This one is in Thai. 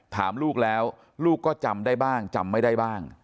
ถามลูกแล้วลูกก็จำได้บ้างจำไม่ได้บ้าง